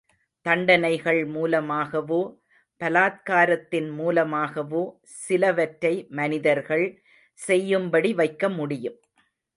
தண்டனைகள் மூலமாகவோ, பலாத்காரத்தின் மூலமாகவோ, சிலவற்றை மனிதர்கள் செய்யும்படி வைக்க முடியும்.